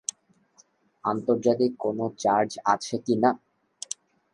আন্তর্জাতিক কোনো চার্জ আছে কি না?